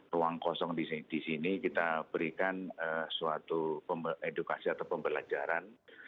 ruang kosong di sini kita berikan suatu edukasi atau pembelajaran